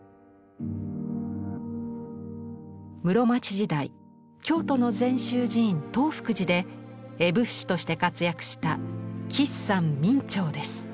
室町時代京都の禅宗寺院東福寺で絵仏師として活躍した吉山明兆です。